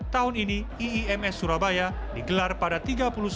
tahun ini iims surabaya digelar pada tiga puluh satu mei sampai empat juni